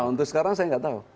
untuk sekarang saya nggak tahu